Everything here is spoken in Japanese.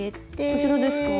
こちらですか？